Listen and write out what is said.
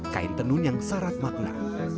kain tenun yang syarat makna